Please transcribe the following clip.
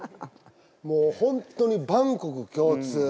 もう本当に万国共通。